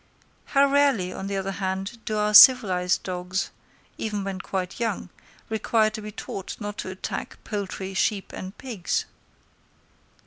How rarely, on the other hand, do our civilised dogs, even when quite young, require to be taught not to attack poultry, sheep, and pigs!